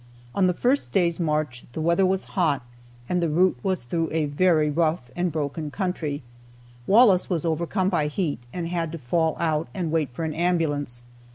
On the first day's march the weather was hot, and the route was through a very rough and broken country. Wallace was overcome by heat, and had to fall out, and wait for an ambulance.